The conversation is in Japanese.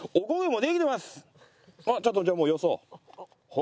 ちょっとじゃあもうよそおう。